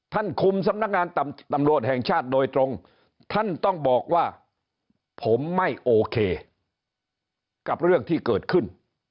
คุมสำนักงานตำรวจแห่งชาติโดยตรงท่านต้องบอกว่าผมไม่โอเคกับเรื่องที่เกิดขึ้น